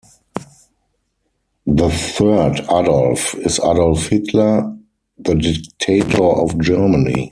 The third Adolf is Adolf Hitler, the dictator of Germany.